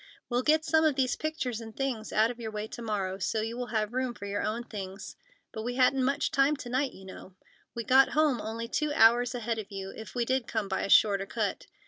"We'll get some of these pictures and things out of your way to morrow, so you will have room for your own things, but we hadn't much time to night, you know. We got home only two hours ahead of you, if we did come by a shorter cut.